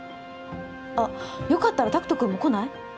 あっよかったら拓人君も来ない？